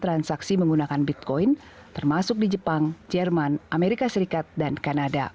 transaksi menggunakan bitcoin termasuk di jepang jerman amerika serikat dan kanada